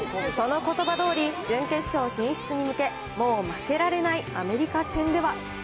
そのことばどおり、準決勝進出に向け、もう負けられないアメリカ戦では。